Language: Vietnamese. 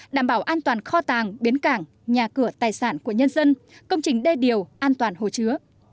đảm bảo an toàn kho tàng bến cảng nhà cửa tài sản của nhân dân công trình đê điều an toàn hồ chứa